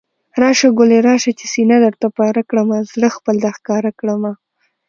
راشه ګلي راشه، چې سينه درته پاره کړمه، زړه خپل درښکاره کړمه